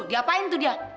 diapain tuh dia